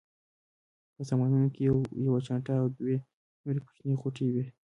په سامانونو کې یوه چانټه او دوه نورې کوچنۍ غوټې وې.